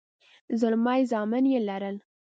زلمي زامن يې لرل.